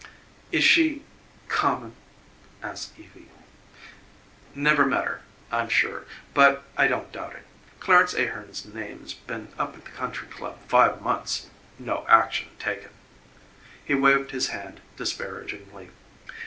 "Is she common?" asked Evie. "Never met her, I'm sure but I don't doubt it. Clarence Ahearn's name's been up at the Country Club five months no action taken." He waved his hand disparagingly.